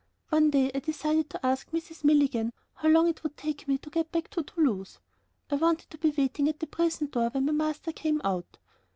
One day I decided to ask Mrs. Milligan how long it would take me to get back to Toulouse. I wanted to be waiting at the prison door when my master came out.